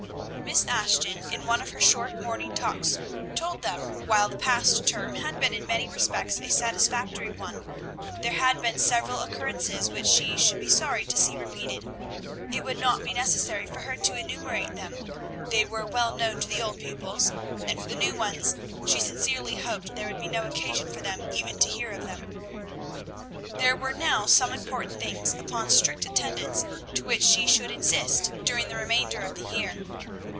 Miss Ashton in one of her short morning talks told them, while the past term had been in many respects a satisfactory one, there had been several occurrences which she should be sorry to see repeated. It would not be necessary for her to enumerate them; they were well known to the old pupils, and for the new ones, she sincerely hoped there would be no occasion for them ever to hear of them. There were now some important things, upon strict attendance to which she should insist during the remainder of the year.